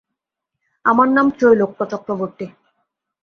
আমার নাম ত্রৈলোক্য চক্রবর্তী।